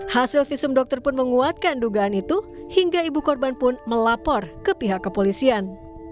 hasil visum dokter pun menguatkan dugaan itu hingga ibu korban pun melapor ke pihak kepolisian